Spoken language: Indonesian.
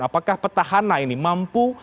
apakah petahana ini mampu